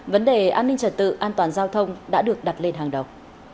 vấn đề an ninh trật tự an toàn giao thông đã được đặt lên hàng đầu